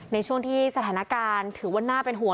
ในช่วงที่สถานการณ์ถือว่าน่าเป็นห่วง